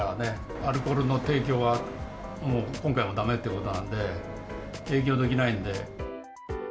アルコールの提供は、もう今回もだめということなんで、営業できないんで。